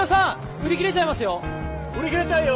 売り切れちゃうよ。